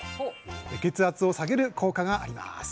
血圧を下げる効果があります。